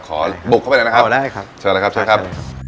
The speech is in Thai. เขาได้ครับ